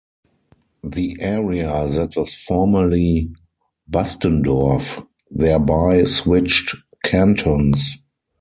The area that was formerly Bastendorf thereby switched cantons.